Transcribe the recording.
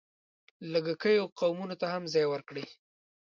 لږکیو قومونو ته هم ځای ورکړی.